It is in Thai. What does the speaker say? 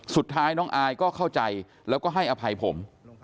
สุดท้ายน้องอายก็เข้าใจแล้วก็ให้อภัยผม